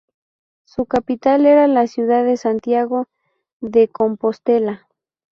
Su capital era la ciudad de Santiago de Compostela.